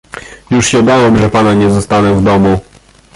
"Już się bałam, że pana nie zastanę w domu."